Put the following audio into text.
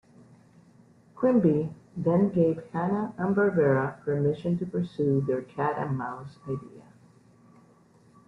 Quimby then gave Hanna and Barbera permission to pursue their cat-and-mouse idea.